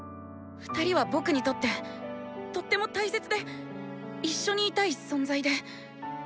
２人は僕にとってとっても大切で一緒にいたい存在で。